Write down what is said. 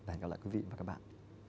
và hẹn gặp lại quý vị và các bạn